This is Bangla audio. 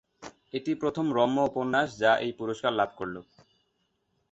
এটি প্রথম রম্য উপন্যাস যা এই পুরস্কার লাভ করলো।